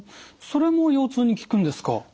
それも腰痛に効くんですか。